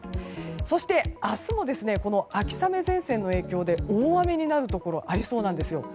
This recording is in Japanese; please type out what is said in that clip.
そして、明日も秋雨前線の影響で大雨になるところがありそうです。